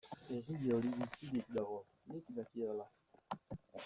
Egile hori bizirik dago, nik dakidala.